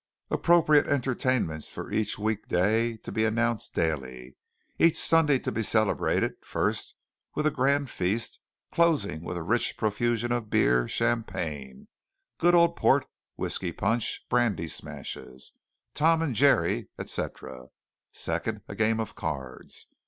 Appropriate entertainments for each week day, to be announced daily. Each Sunday to be celebrated, first, with a grand feast, closing with a rich profusion of beer, champagne, good old port, whiskey punch, brandy smashes, Tom and Jerry, etc. Second, a game of cards.